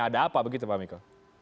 ada apa begitu pak miko